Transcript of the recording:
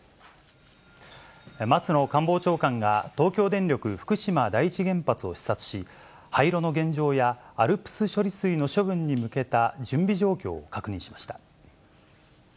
松野官房長官が、東京電力福島第一原発を視察し、廃炉の現状や、ＡＬＰＳ処理水の処分に向けた準備状況を確認しました。